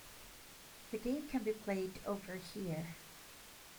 The game can be played over here.